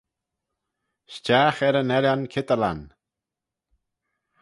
Stiagh er yn ellan Kitterland.